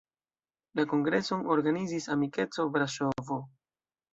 La kongreson organizis "Amikeco Braŝovo".